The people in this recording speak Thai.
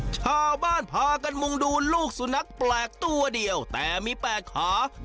ชาวบ้านพากันมุงดูลูกสุนัขแปลกตัวเดียวแต่มี๘ขา